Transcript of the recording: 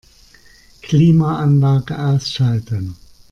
Klimaanlage ausschalten.